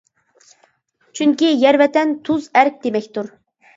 چۈنكى يەر- ۋەتەن، تۇز- ئەرك دېمەكتۇر .